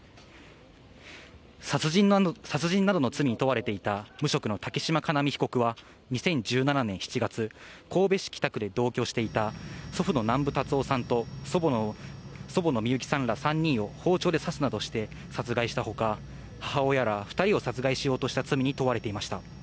殺人などの罪に問われていた無職の竹島叶実被告は、２０１７年７月、神戸市北区で同居していた祖父の南部達夫さんと祖母の観雪さんら３人を包丁で刺すなどして殺害したほか、母親ら２人を殺害しようとした罪に問われていました。